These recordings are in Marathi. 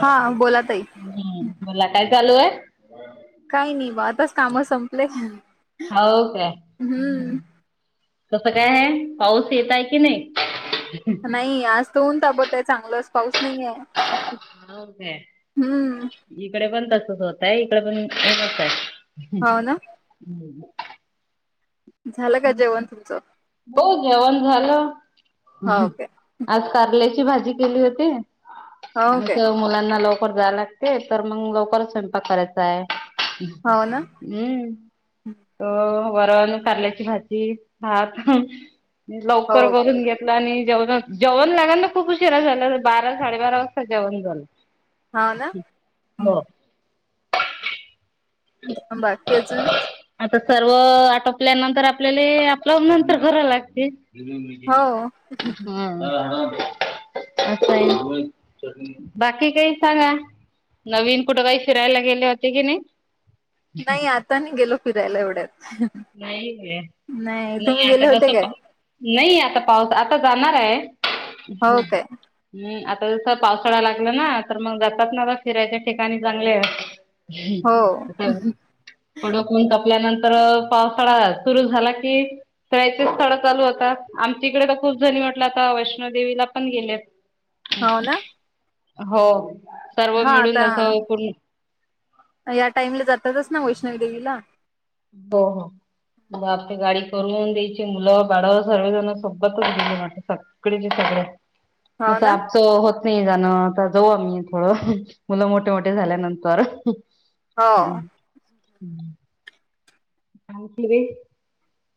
हा बोला ताई बोला काय चालू आहे? काही नाही बा आताच काम संपले हो काय हम्म. कसं काय आहे पाऊस येतंय की नाही? नाही आज ऊन ताबत आहे चांगलच पाऊस नाहीेये. हो काय इकडे पण तसच होतय इकडे पण ऊन आहे. हो ना ह् झालं का जेवण तुमचं? हो जेवण झालं हो ओके आज कारल्याची भाजी केली होती. हो काय जस मुलांना लवकर जायला लागते तर मग लवकरच स्वयंपाक करायचा आहे. हो ना हम् हो वरण कारल्याची भाजी भात हो लवकर ओके करून घेतल आणि जेव ग जेवण लागा ना खूप उशिरा झाला बारा साडे बारा वाजता जेवण झालं. हा ना. हो [inaudible] ह बाकीच आता सर्व आटोपल्यानंतर आपल्याला आपलं कराव लागते. हो [unintelligible] असं आहे बाकी काही सांगा? नवीन कुठं काही फिरायला गेले होते कि नाही? नाही आता नाही गेलो फिरायला एवढ्यात. नाही नाही तुम्ही आता गेले होते कस काय पाऊस नाही आता पाऊस आता जाणार आहे हो काय आ आता जस पावसाळा लागला ना तर मग जातात ना आता फिरायच्या ठिकाणी चांगले आहे. हो आता कडक तपल्यानंतर पावसाळा सुरू झाला की तचे स्ळा चालू होता आमच्या इकडे तर खूप जणी म्हटलं आता वैष्णवी देवीला पण गेल्यात. हो ना हो सर्व हा मिळून आता अस पण या टाइमला जातातच ना वैष्णवी देवीला. हो हो आपल्या गाडी करून द्यायची मुलं बाळ सर्वजण सोबतच गेले सगळे ज हो मग ना आमचं होतं नाही जाणं आता जाऊ आम्ही थोड मुलं मोठे मोठे झाल्यानंतर. हो हम्म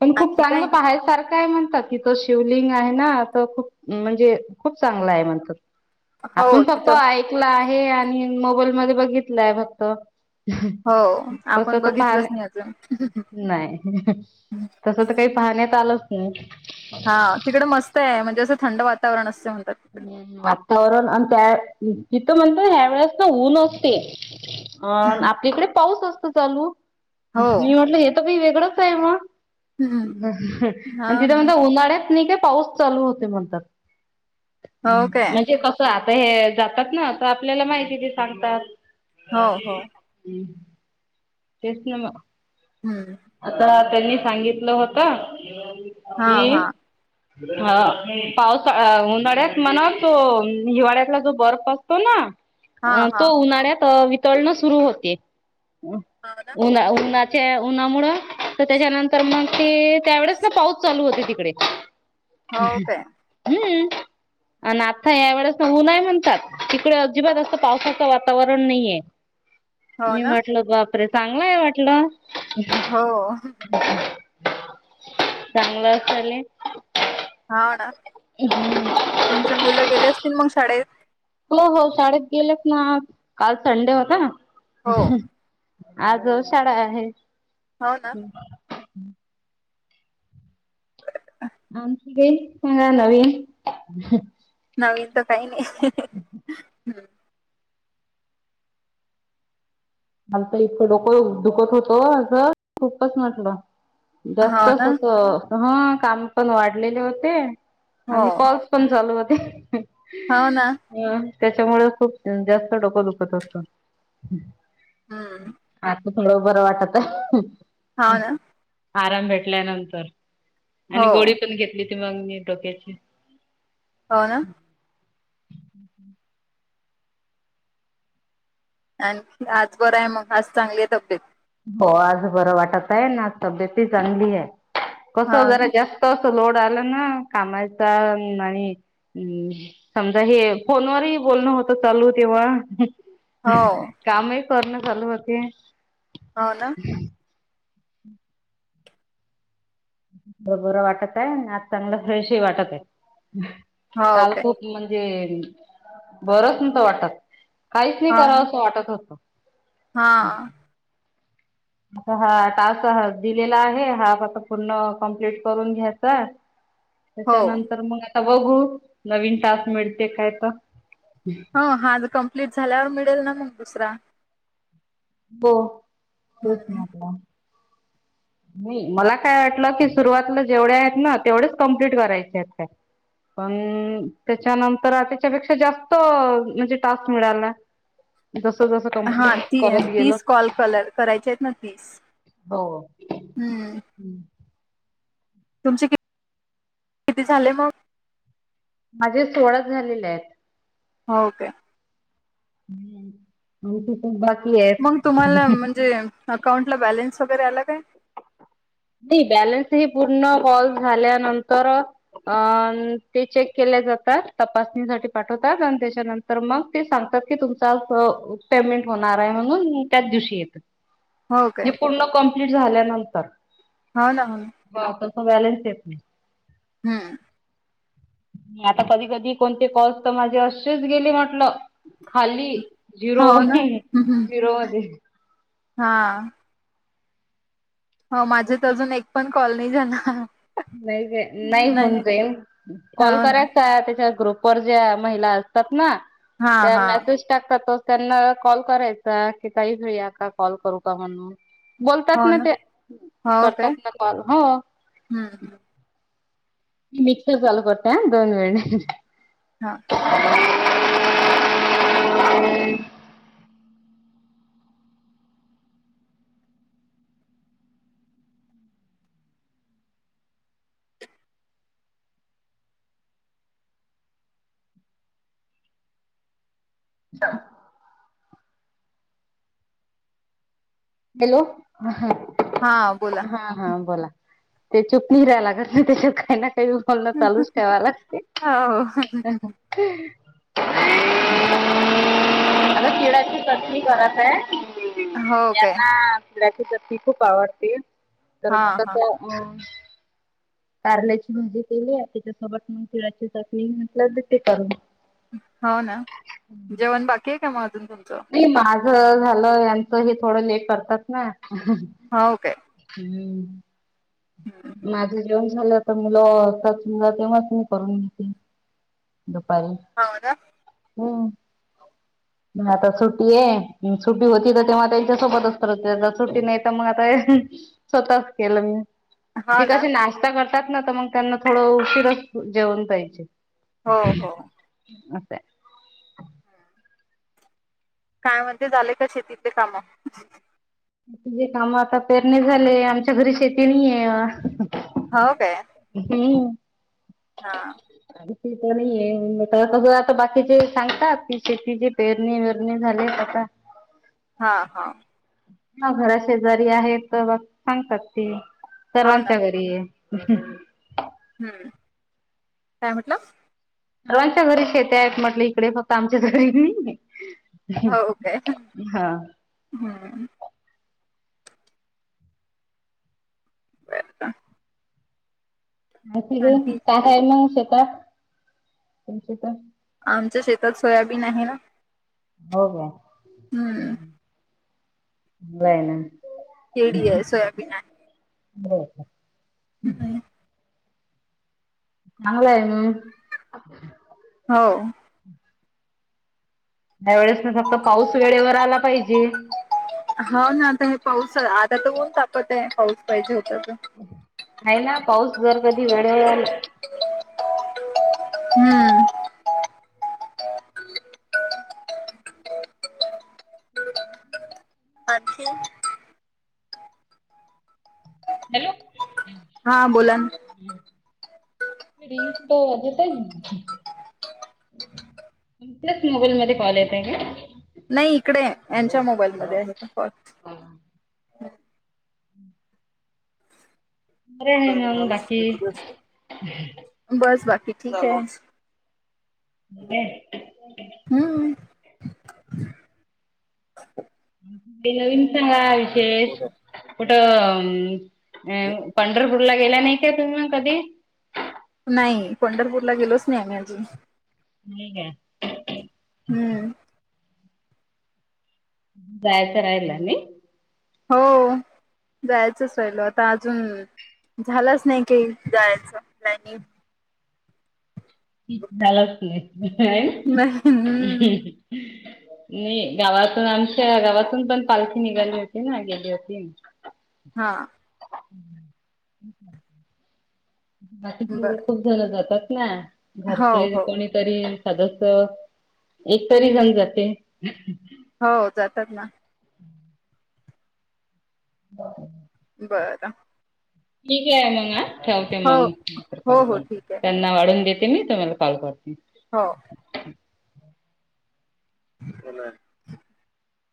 पण खूप आणखी काय चांगलं नाही पाहण्यासारखं काय म्हणतात तिथ शिवलिंग आहे ना तर खूप म्हणजे खूप चांगला आहे म्हणतात. हो आपण फक्त तिथं ऐकला आहे आणि मोबाईल मध्ये बघितलं आहे फक्त. हो तस आपण तर बघितलंच पाहण. नाही अजून नाही तस तर काही पाहण्यात आलंच नाही. हा तिकडे मस्त आहे म्हणजे असं थंड वातावरण अस आणि वातावरण आणि त्या तिथं म्हणत ह्या वेळेस ना ऊन असते अ आपलीकडे पाऊस असते. चालू हो मी म्हटलं हे तर वेगळंच आहे मग? हं. आणि हो तिथे ना म्हणत उन्हाळ्यात का पाऊस चालू होते म्हणतात हो काय म्हणजे कस आता हे जातात ना तर आपल्याला माहिती सांगतात. हो हो तेच नाम हम्म त्यांनी सांगितलं होत हा हा कि ह पावसा उन्हाळ्यात म्हणा तो हिवाळ्यातला जो बर्फ असतो ना. हा अ हा तो उन्हाळ्यात वितळणं सुरु होते हो ना उन्हा उन्हा उन्हामुळ तर त्याच्यानंतर मग ते त्यावेळेस ना पाऊस चालू होते तिकडे. हो क काय क. हं. नाथा यावेळे. ऊ नाही म्हणतात तिकडे अजिबात असं पावसाचं वातावरण नाहीये. हो मी ना म्हटल बापरे चांगलाय वाटलं. हो. चांगलं असेल. हा ना तुमचे मुलं गेले असतील मग शाळेत. हो हो शाळेत गेलेच ना काल संडे होता ना. हो आज शाळा आहे. हो ना आणखी काही सांगा नवीन. नवीन तर काही नाही हम्. मल तर इतकं डोकं दुखत होतो माझं खूपच म्हटलं. हो ना जास्तस ह काम पण वाढलेले होते. हो आणि कॉल्स पण चालू होते हो ना अ. त्याच्यामुळे खूप जास्त डोकं दुखत असत. हम्म थोडं बरं वाटत आहे. हा ना. आराम भेटल्यानंतर हो आणि गोळी पण घेतली ती मग मी डोक्याची. हो ना. हम् हम्. आणखी आज बरं आहे मग आज चांगली आहे तब्येत. हो आज बरं वाटत आहे ना तब्येत चांगली आहे कस हो जरा ना जास्त अस लोड. झालं ना कामाचा आणि. हम्म समजा हे फोनवररही बोलणं होतं चालू तेव्हा. हो कामही करणं चालू होती. हो ना. बर बरं वाटत आहे आज चांगलं फ्रेश ह वाटत आहे. हो काल काय खूप म्हणजे बरच न तो वाटतात. काहीच नाही हा कराव ना असं वाटत होतं. हा. आ हा तास दिलेला आहे हाफ आता पूर्ण कम्प्लीट करून घ्यायचा हो त्याच्यानंतर मग आता बघू नवीन तास मिळते काय तर. हो हा कंप्लीट झाल्यावर मिळेल ना मग दुसरा. हो तेच हम्म म्हटलं. नाही मला काय वाटलं की सुरुवातला जेवढ्या आहेत ना तेवढेच कम्प्लीट करायचे आहेत का. पण त्याच्यानंतर त्याच्यापेक्षा जास्त म्हणजे टास्क मिळाला. दसो दसो कंपट. हा ती कल कलर कराय ती. हो. तुमचे किती झाले मग. माझे सोळा झालेले आहेत. हो काे. त बाकी. आहेत. मग तुम्हाला म्हणजे अकाउंटला बॅलेन्स वगैरे आला काय. नाही बॅलनस ह पूर्ण ब झाल्यानंतर अ ते चेक के. त पाठवात आणि त्याच्यानंतर मग ते सांगतात की तुमेमं. म्हणून त्याच दिव हो य काय पूर्ण कप् झाल्यानंतर. हो ना हो ना. बॅले ते आप. हम्म. आता कधी कधी कोणते कॉस तर माझे असेच गेले म्हटलं खाली. हो झिरो ना हम्म झिरोमध्ये हा हो माझे तर अजून एक पण कॉलनी जाणार नाही का नाही होऊन जाईल कॉल हो ना करायचा त्याच्या ग्रुप वर ज्या महिला असतात ना हा त्या हा मेसेज टाकतात त्यांना कॉल करायचा की काही घेया का कॉल करू का म्हणून बोलतात ना ते हो काय करतात ना कॉल हो हम्म मिक्स झाल करत दोन वेने हा हॅलो ह हा बोला ते चुकून झालं त्याच्या काय का बोलणं चालूच कावाला हो आता चिड्याची कचणी करत आहे हो काय यांना फलाची ती खूप आवडते तर हा मग हा तं अ कारल्याची भाजी केली आहे त्याच्यासोबत मग तिळाची चकणी म्हटलं ते करून हो ना जेवण बाकी आहे का मग अजून तुमचं नाही झालं यांचं हे थोडं लेट करतात ना हो काय हम्म हम्म. माझं जेवण झालं तर मुल करतील तेव्हाच मी करून घे दुपारी हो ना नाही आता सुटी आहे सुट्टी होती तर तेव्हा त्यांच्या सोबत असत सुट्टी नाही तर मग आता स्वतःच केलं हा मी ना कशी नाश्ता करतात ना तर मग त्यांना थोडं उशिरा जेवण पाहिजे हो हो मता काय म्हणते झालेय का शेतीतले काम तुझे काम आता पेरणे झालेय आमच्या घरी शेती नाहीय हो काय हम्म हा त आता बाकीचे सांगतात की शेती ज पेरणी वेरणी झाले का हा हा ह घरा शेजारी आहे तर बघ सांगतात ती हो ना सर्वांच्या घरी आहे [inaudible] हम्म काय म्हटलं सर्वांच्या घरी शेेत आहेत म्हटलं इकडे फक्त आमच्या घरी नाही हो काय हा हम्म बल तठी आहे काय कायल मग शेतात शेत आमच्या शेतात सोयाबीन आहे ना हो का हम् ला आहे ना कडी आहे सोयाबीन आहे बरोर हम्म. चगय हो त्या वेळेस ना फक्त पाऊस वेळेवर आला पाहिजे हो ना आता हे पाऊस आता तरोऊन तापत आहे पाऊस पाहिजे हो आहे ना पाऊस जर कधी वेळेवर आला हम्म आणखी हॅलो हा बोला ना ी दो वाजे ते [unintelligible] त्याच मोबाईलमध्ये कॉल येताय का नाही इकडे यांच्या मोबाईलमध्ये आहे फो ह [inaudible] ह [inaudible] बरं आहे मग बाकी बस बाकी ठीक आहे. हे [inaudible] हम्म [inaudible] काही नवीन सांगा विशेष कुठं अ अं पंढरपूर पूरला गेला नाही का तुम्ही कधी नाही पंढरपूरला गेलोच नाही आम्ही अजून क [inaudible] हम्म जायचं राहिलं नही. हो जायचच राहिल आता अजून झालाच नाही काही जायचं प्लानिंग ह [inaudible] ह [unintelligible] नाही हम्म नाही गावातून आमच्या गावातून पण पालखी निघाली होती ना गेली होती. हा ह [inaudible] बाकीचे बर खूप जण जातात ना हो घरचे हो कोणीतरी जसं एक तरी जण जाते. हो जातात ना. बा [inaudible] बरं ठीके आहे मग ठेवते हो हो हो मग ठीक आहे त्यांना वाढून देत मी तुम्हाला कॉल करती. हो ह [inaudible] म [unintelligible]